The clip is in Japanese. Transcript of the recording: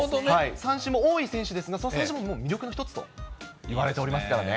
三振も多い選手ですが、三振も魅力の一つと言われておりますからね。